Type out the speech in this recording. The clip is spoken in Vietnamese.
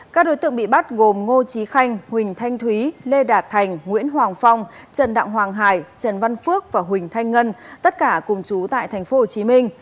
các đối tượng bị bắt gồm ngô trí khanh huỳnh thanh thúy lê đạt thành nguyễn hoàng phong trần đặng hoàng hải trần văn phước và huỳnh thanh ngân tất cả cùng chú tại tp hcm